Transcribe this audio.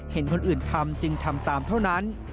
เห็นคนอื่นทำจึงทำตามเท่านั้น